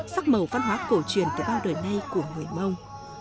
sắc màu văn hóa cổ truyền từ bao đời nay của người mông